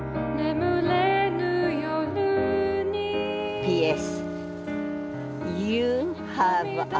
「Ｐ．Ｓ」。